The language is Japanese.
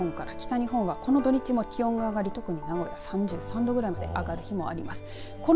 加えて晴れる西日本から北日本はこの土日も気温が上がり特に名古屋、３３度くらいまで上がる日もあります。